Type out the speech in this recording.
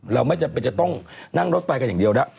เราไม่จำเป็นจะต้องนั่งรถไฟกันอย่างเดียวแล้ว